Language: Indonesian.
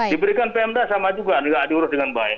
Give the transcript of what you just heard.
diberikan pmda sama juga tidak diurus dengan baik